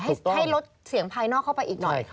ให้ลดเสียงภายนอกเข้าไปอีกหน่อย